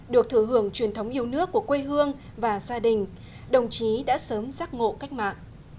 được thừa hưởng truyền thống yêu nước của quê hương và gia đình đồng chí đã sớm giác ngộ cách mạng